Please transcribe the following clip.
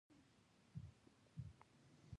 لاندې د ارغنداب رود بهېده.